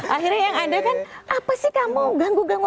akhirnya yang ada kan apa sih kamu ganggu ganggu